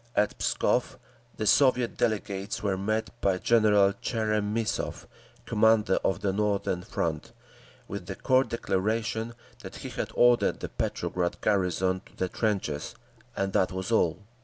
At Pskov, the Soviet delegates were met by General Tcheremissov, commander of the Northern Front, with the curt declaration that he had ordered the Petrograd garrison to the trenches, and that was all.